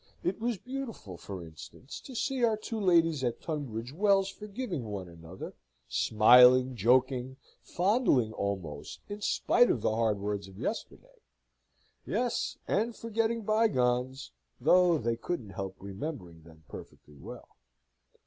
It was beautiful, for instance, to see our two ladies at Tunbridge Wells forgiving one another, smiling, joking, fondling almost in spite of the hard words of yesterday yes, and forgetting bygones, though they couldn't help remembering them perfectly well.